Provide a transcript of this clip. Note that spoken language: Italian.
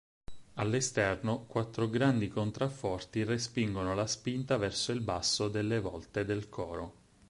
All'esterno, quattro grandi contrafforti respingono la spinta verso il basso delle volte del coro.